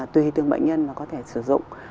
tùy từng bệnh nhân mà có thể sử dụng